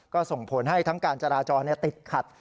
ก็ส่งผลให้ทั้งการจราจรติดขัด